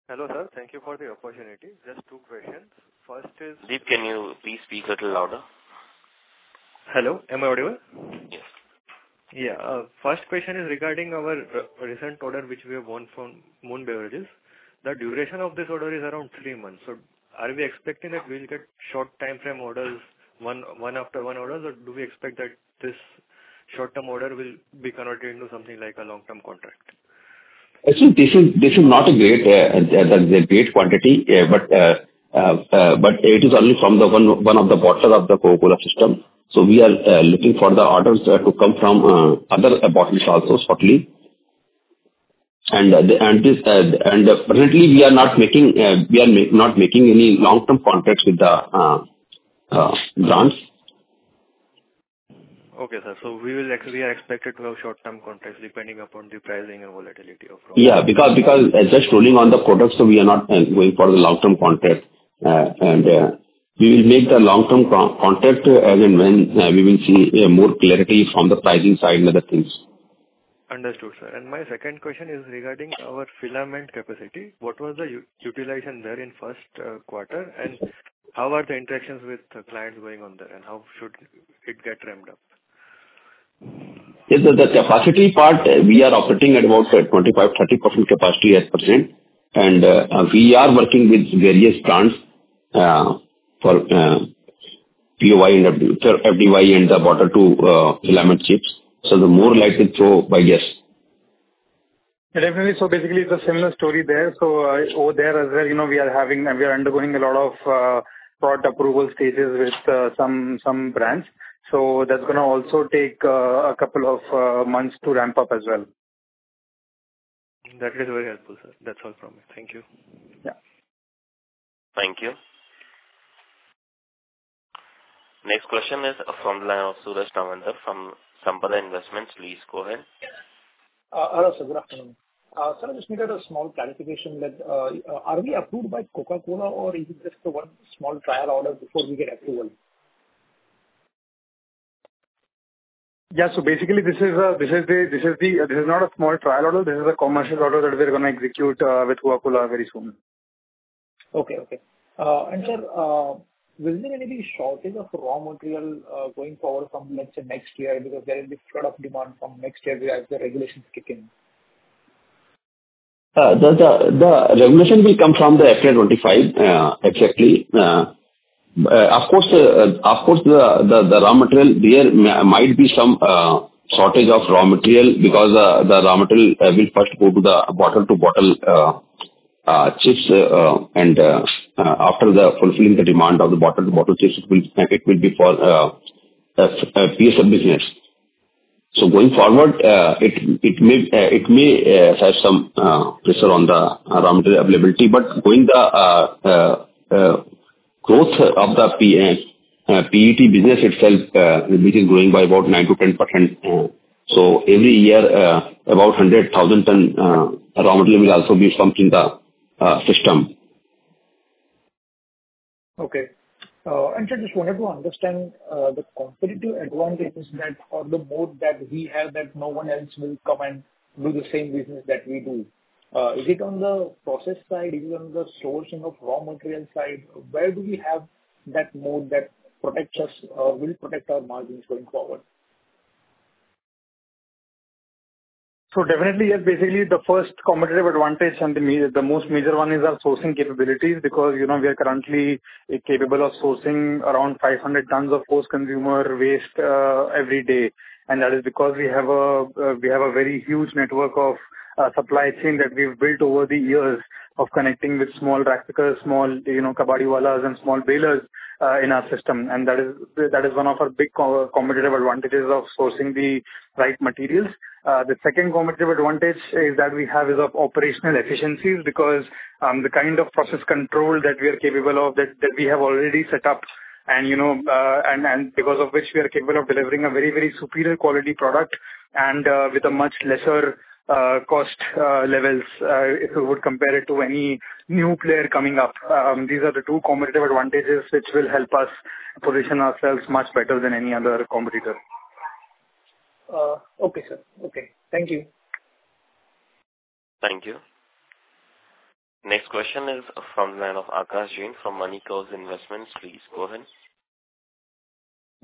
Hello, sir. Thank you for the opportunity. Just two questions. First is. Deep, can you please speak a little louder? Hello. Am I audible? Yes. Yeah. First question is regarding our recent order which we have won from Moon Beverages. The duration of this order is around three months. So are we expecting that we'll get short-time frame orders, one after one orders, or do we expect that this short-term order will be converted into something like a long-term contract? Actually, this is not a great quantity, but it is only from one of the bottles of the Coca-Cola system. So we are looking for the orders to come from other bottles also, shortly. And presently, we are not making any long-term contracts with the brands. Okay, sir. So we are expected to have short-term contracts depending upon the pricing and volatility of. Yeah. Because just rolling on the products, so we are not going for the long-term contract. We will make the long-term contract as and when we will see more clarity from the pricing side and other things. Understood, sir. My second question is regarding our filament capacity. What was the utilization there in first quarter, and how are the interactions with clients going on there, and how should it get ramped up? Yes. The capacity part, we are operating at about 25%-30% capacity at present. And we are working with various brands for POY and FDY and the bottle-to-filament chips. So the more light we throw, I guess. Definitely. So basically, it's a similar story there. So over there as well, we are undergoing a lot of product approval stages with some brands. So that's going to also take a couple of months to ramp up as well. That is very helpful, sir. That's all from me. Thank you. Yeah. Thank you. Next question is from the line of Suresh Damodar Sampada Investments. please go ahead. Hello, sir. Good afternoon. Sir, I just needed a small clarification. Are we approved by Coca-Cola, or is it just one small trial order before we get approval? Yeah. So basically, this is not a small trial order. This is a commercial order that we are going to execute with Coca-Cola very soon. Okay. Okay. Sir, will there be any shortage of raw material going forward from, let's say, next year because there is a flood of demand from next year as the regulations kick in? The regulation will come from the FY25 exactly. Of course, the raw material there might be some shortage of raw material because the raw material will first go to the bottle-to-bottle chips. After fulfilling the demand of the bottle-to-bottle chips, it will be for PSF business. Going forward, it may have some pressure on the raw material availability. But going the growth of the PET business itself, which is growing by about 9%-10%, so every year, about 100,000 tons raw material will also be pumped in the system. Okay. Sir, I just wanted to understand the competitive advantage is that for the mode that we have that no one else will come and do the same business that we do. Is it on the process side? Is it on the sourcing of raw material side? Where do we have that mode that will protect our margins going forward? So definitely, yes. Basically, the first competitive advantage and the most major one is our sourcing capabilities because we are currently capable of sourcing around 500 tons of post-consumer waste every day. That is because we have a very huge network of supply chain that we've built over the years of connecting with small tractors, small kabadiwalas, and small balers in our system. That is one of our big competitive advantages of sourcing the right materials. The second competitive advantage that we have is of operational efficiencies because the kind of process control that we are capable of that we have already set up and because of which we are capable of delivering a very, very superior quality product and with much lesser cost levels if we would compare it to any new player coming up. These are the two competitive advantages which will help us position ourselves much better than any other competitor. Okay, sir. Okay. Thank you. Thank you. Next question is from the line of Akash Jain from MoneyCoast Investments. Please go ahead.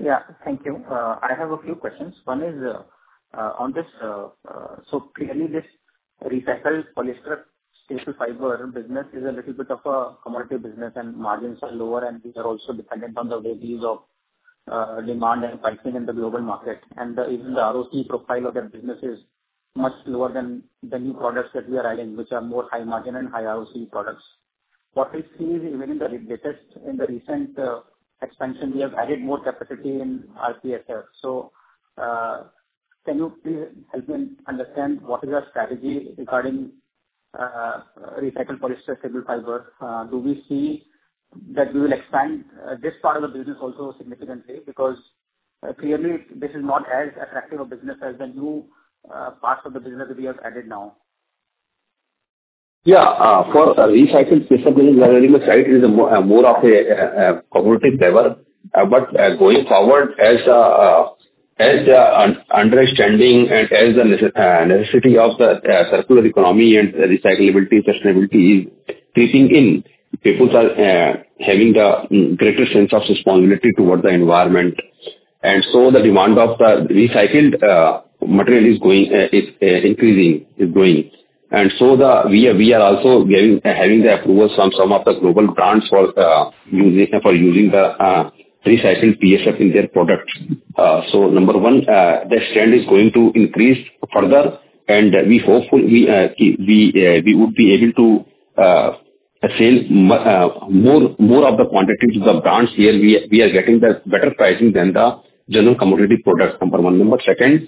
Yeah. Thank you. I have a few questions. One is on this, so clearly, this recycled polyester staple fiber business is a little bit of a commodity business, and margins are lower. And we are also dependent on the waves of demand and pricing in the global market. And even the ROC profile of that business is much lower than the new products that we are adding, which are more high-margin and high-ROC products. What we see is even in the latest, in the recent expansion, we have added more capacity in our PSF. So can you please help me understand what is our strategy regarding recycled polyester staple fiber? Do we see that we will expand this part of the business also significantly? Because clearly, this is not as attractive a business as the new parts of the business that we have added now. Yeah. For recycled staple fiber, we are already going to say it is more of a commodity level. But going forward, as the understanding and as the necessity of the circular economy and recyclability, sustainability is creeping in, people are having the greater sense of responsibility towards the environment. And so the demand of the recycled material is increasing, is going. And so we are also having the approvals from some of the global brands for using the recycled PSF in their products. So number one, the trend is going to increase further. And we hopefully we would be able to sell more of the quantity to the brands here. We are getting the better pricing than the general commodity products, number one. Number 2,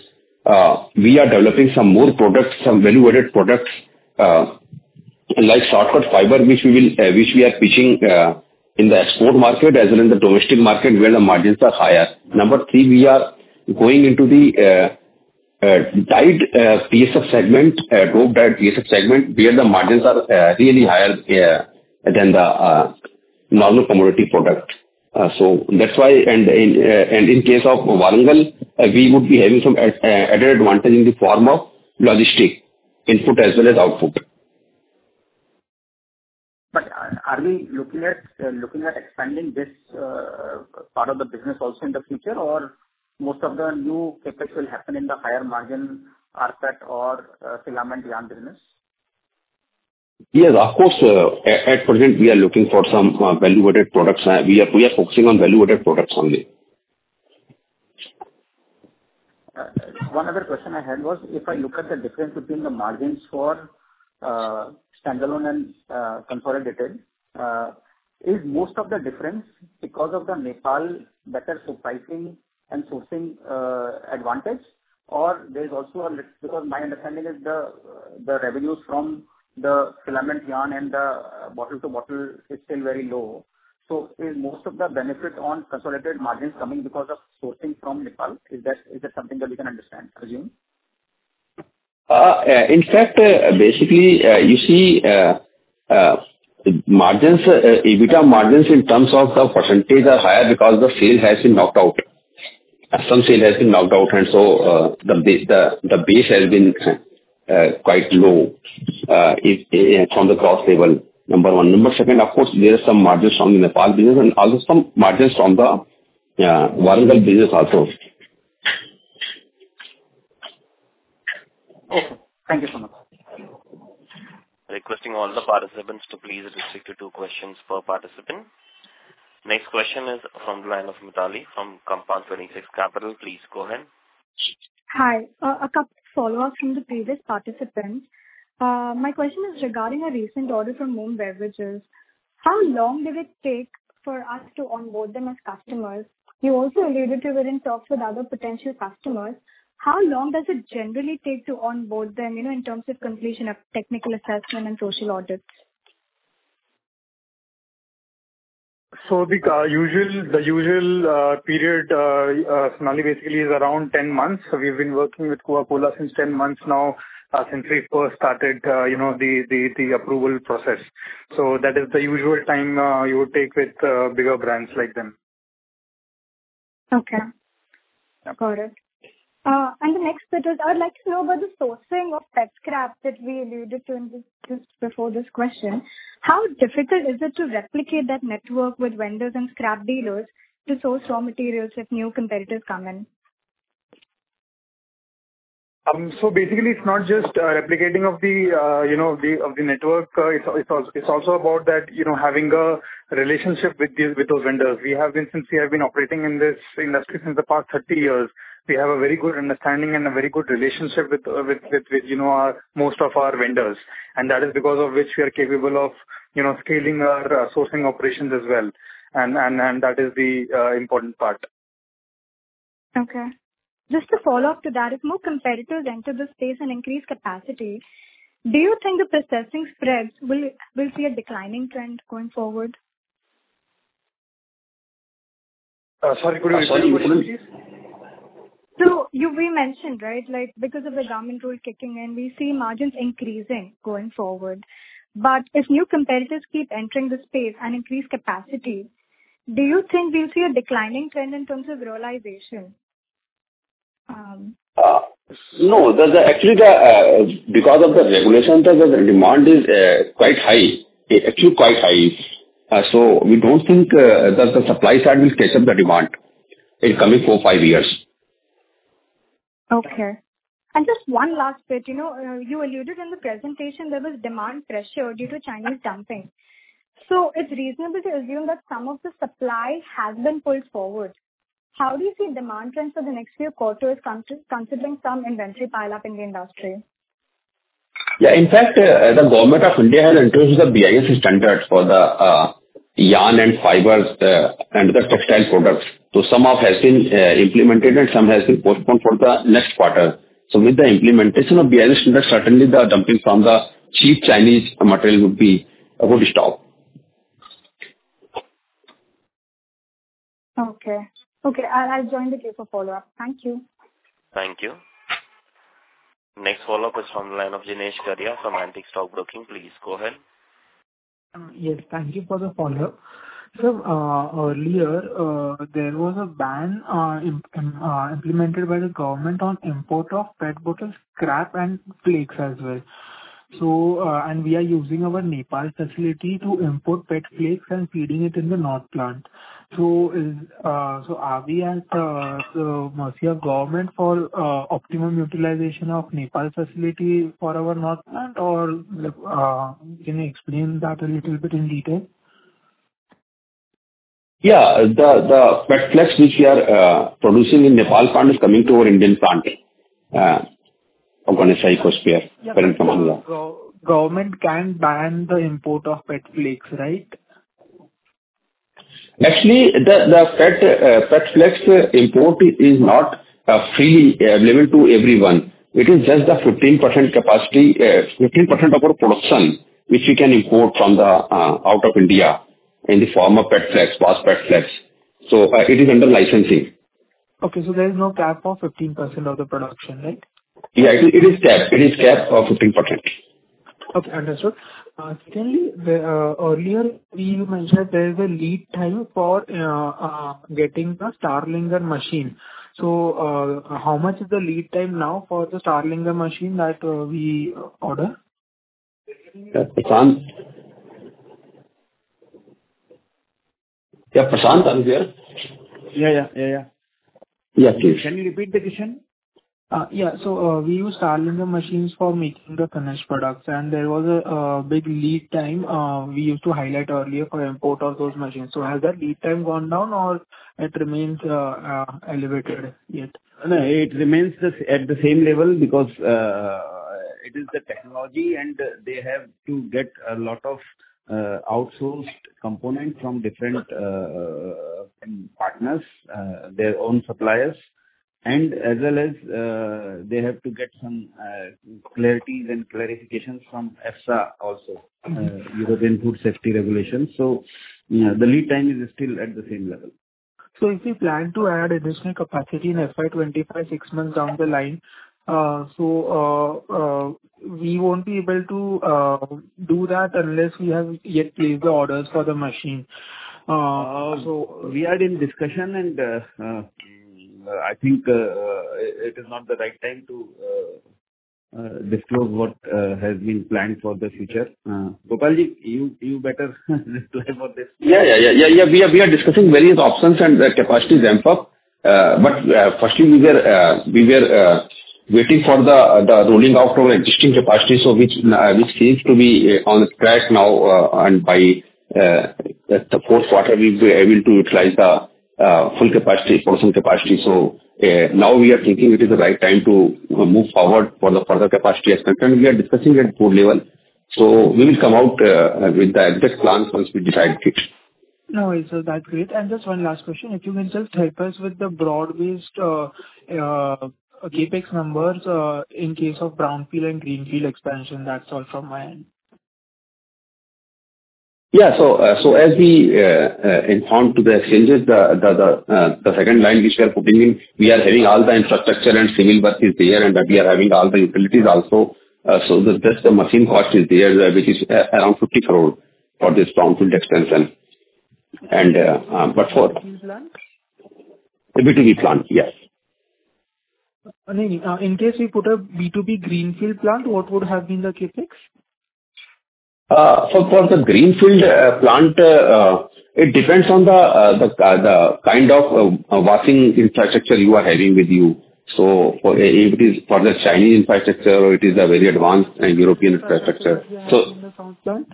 we are developing some more products, some value-added products like short-cut fiber, which we are pitching in the export market as well as the domestic market where the margins are higher. Number 3, we are going into the white PSF segment, dope-dyed PSF segment where the margins are really higher than the normal commodity product. So that's why. And in case of Warangal, we would be having some added advantage in the form of logistic input as well as output. Are we looking at expanding this part of the business also in the future, or most of the new CapEx will happen in the higher-margin RPET or filament yarn business? Yes. Of course, at present, we are looking for some value-added products. We are focusing on value-added products only. One other question I had was if I look at the difference between the margins for standalone and consolidated, is most of the difference because of the Nepal better pricing and sourcing advantage, or there's also a because my understanding is the revenues from the filament yarn and the bottle-to-bottle is still very low. So is most of the benefit on consolidated margins coming because of sourcing from Nepal? Is that something that we can understand, assume? In fact, basically, you see EBITDA margins in terms of the percentage are higher because the sale has been knocked out. Some sale has been knocked out, and so the base has been quite low from the cost level, number one. Number second, of course, there are some margins from the Nepal business and also some margins from the Warangal business also. Okay. Thank you so much. Requesting all the participants to please restrict to two questions per participant. Next question is from the line of Mitali from Compound 26 Capital. Please go ahead. Hi. A couple of follow-ups from the previous participants. My question is regarding a recent order from Moon Beverages. How long did it take for us to onboard them as customers? You also alluded to it in talks with other potential customers. How long does it generally take to onboard them in terms of completion of technical assessment and social audits? The usual period, Mitali, basically is around 10 months. We've been working with Coca-Cola since 10 months now, since we first started the approval process. That is the usual time you would take with bigger brands like them. Okay. Got it. The next bit is I would like to know about the sourcing of PET scrap that we alluded to before this question. How difficult is it to replicate that network with vendors and scrap dealers to source raw materials if new competitors come in? So basically, it's not just replicating of the network. It's also about having a relationship with those vendors. Since we have been operating in this industry since the past 30 years, we have a very good understanding and a very good relationship with most of our vendors. And that is because of which we are capable of scaling our sourcing operations as well. And that is the important part. Okay. Just a follow-up to that. If more competitors enter this space and increase capacity, do you think the processing spreads will see a declining trend going forward? Sorry. Could you repeat that, please? So we mentioned, right, because of the government rule kicking in, we see margins increasing going forward. But if new competitors keep entering the space and increase capacity, do you think we'll see a declining trend in terms of realization? No. Actually, because of the regulation, the demand is quite high, actually quite high. So we don't think that the supply side will catch up the demand in the coming 4-5 years. Okay. And just one last bit. You alluded in the presentation there was demand pressure due to Chinese dumping. So it's reasonable to assume that some of the supply has been pulled forward. How do you see demand trends for the next few quarters considering some inventory pile-up in the industry? Yeah. In fact, the Government of India has introduced the BIS standard for the yarn and fibers and the textile products. Some of it has been implemented, and some has been postponed for the next quarter. With the implementation of BIS standard, certainly, the dumping from the cheap Chinese material would stop. Okay. Okay. I'll join the case for follow-up. Thank you. Thank you. Next follow-up is from the line of Jignesh Karia from Antique Stock Broking. Please go ahead. Yes. Thank you for the follow-up. So earlier, there was a ban implemented by the government on import of PET bottles, scrap, and flakes as well. And we are using our Nepal facility to import PET flakes and feeding it in the north plant. So are we at the mercy of government for optimum utilization of Nepal facility for our north plant, or can you explain that a little bit in detail? Yeah. The PET flakes which we are producing in Nepal plant is coming to our Indian plant of Ganesha Ecosphere, current company. Government can ban the import of PET flakes, right? Actually, the PET flakes import is not freely available to everyone. It is just the 15% capacity, 15% of our production which we can import from out of India in the form of PET flakes, post PATflakes. So it is under licensing. Okay. There is no cap of 15% of the production, right? Yeah. It is cap. It is cap of 15%. Okay. Understood. Earlier, you mentioned there is a lead time for getting the Starlinger machine. So how much is the lead time now for the Starlinger machine that we order? Yeah. Prashant, I'm here. Yeah. Yeah. Yeah. Yeah. Yeah. Please. Can you repeat the question? Yeah. We use Starlinger machines for making the finished products. There was a big lead time we used to highlight earlier for import of those machines. Has that lead time gone down, or it remains elevated yet? No. It remains at the same level because it is the technology, and they have to get a lot of outsourced components from different partners, their own suppliers, and as well as they have to get some clarities and clarifications from EFSA also, European Food Safety Regulation. So the lead time is still at the same level. So if we plan to add additional capacity in FY25, six months down the line, so we won't be able to do that unless we have yet placed the orders for the machine. So we are in discussion, and I think it is not the right time to disclose what has been planned for the future. Gopalji, you better reply for this. Yeah. Yeah. Yeah. Yeah. Yeah. We are discussing various options and capacity ramp up. But firstly, we were waiting for the ramping up of our existing capacity, so which seems to be on track now. And by the fourth quarter, we will be able to utilize the full production capacity. So now we are thinking it is the right time to move forward for the further capacity expansion. We are discussing at board level. So we will come out with the exact plan once we decide it. No worries. That's great. Just one last question. If you can just help us with the broad-based CapEx numbers in case of brownfield and greenfield expansion, that's all from my end. Yeah. So as we informed to the exchanges, the second line which we are putting in, we are having all the infrastructure and civil work is there, and we are having all the utilities also. So just the machine cost is there, which is around 50 crore for this brownfield extension. But for. B2B plant? The B2B plant, yes. I mean, in case we put a B2B greenfield plant, what would have been the CapEx? For the greenfield plant, it depends on the kind of washing infrastructure you are having with you. So if it is for the Chinese infrastructure or it is a very advanced European infrastructure. For the Chinese and the south plant?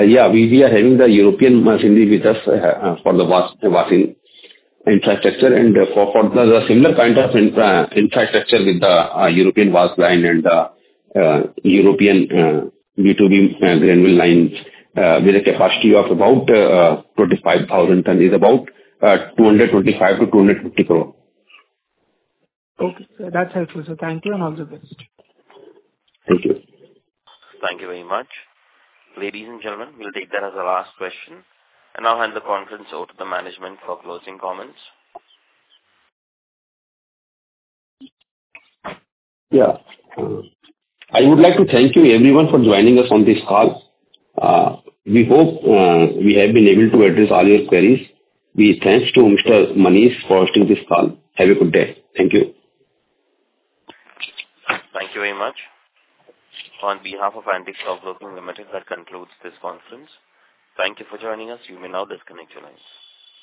Yeah. We are having the European facility with us for the washing infrastructure. For the similar kind of infrastructure with the European wash line and the European B2B greenfield line with a capacity of about 25,000 tons, it's about 225-250 crore. Okay. That's helpful. Thank you and all the best. Thank you. Thank you very much. Ladies and gentlemen, we'll take that as a last question. I'll hand the conference over to the management for closing comments. Yeah. I would like to thank you everyone for joining us on this call. We hope we have been able to address all your queries. Thanks to Mr. Manish for hosting this call. Have a good day. Thank you. Thank you very much. On behalf of Antique Stock Broking Limited, that concludes this conference. Thank you for joining us. You may now disconnect your lines.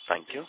Thank you.